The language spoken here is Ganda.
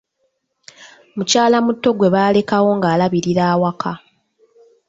Mukyalamuto gwe baalekawo ng'alabirira awaka.